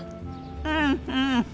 うんうん！